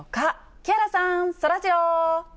木原さん、そらジロー。